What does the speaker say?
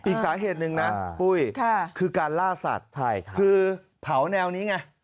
อีกสาเหตุหนึ่งนะปุ้ยคือการล่าสัตว์คือเผาแนวนี้ไง